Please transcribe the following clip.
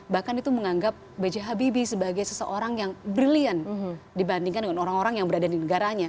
bahkan itu menganggap b j habibie sebagai seseorang yang brilliant dibandingkan dengan orang orang yang berada di negaranya